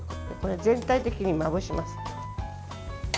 全体的にまぶします。